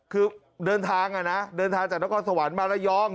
คือเดินทางนะเดินทางจากน้องคอสวรรค์มาแล้วยอง